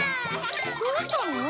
どうしたの？